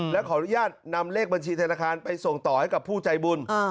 และขออนุญาตนำเลขบัญชีธนาคารไปส่งต่อให้กับผู้ใจบุญ